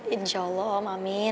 insya allah amin